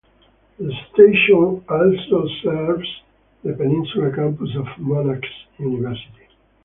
The station also serves the Peninsula Campus of Monash University.